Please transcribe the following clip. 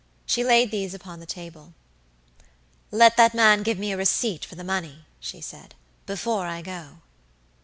She laid these upon the table. "Let that man give me a receipt for the money," she said, "before I go."